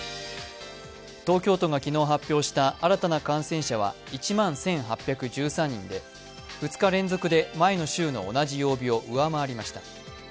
東京都が昨日発表した新たな感染者は１万１８１３人で２日連続で前の週の同じ曜日を上回りました。